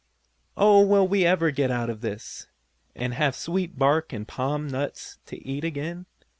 "Oh, will we ever get out of this, and have sweet bark and palm nuts to eat again?"